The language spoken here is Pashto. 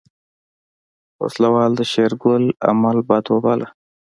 وسله وال د شېرګل عمل بد وباله.